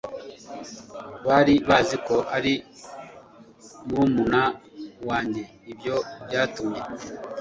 bari bazi ko ari murumuna wanjye ibyo byatumye